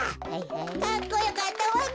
かっこよかったわべ！